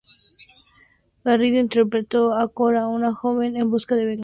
Garrido interpretó a Cora, una joven en busca de venganza.